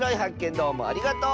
どうもありがとう！